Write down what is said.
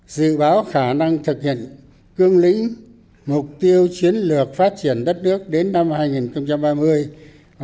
dự báo khả năng thực hiện cương lĩnh mục tiêu chiến lược phát triển đất nước đến năm hai nghìn ba mươi